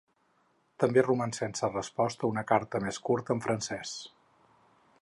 També roman sense resposta una carta més curta en francès.